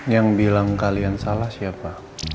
yang bilang kalian salah siapa